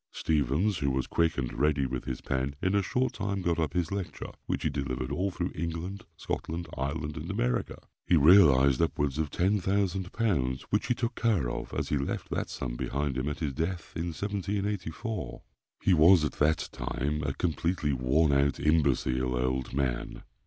Stephens, who was quick and ready with his pen, in a short time got up his lecture, which he delivered all through England, Scotland, Ireland, and America. He realised upwards of 10,000 pounds, which he took care of, as he left that sum behind him at his death, in 1784. He was at the time, a completely worn out, imbecile old man.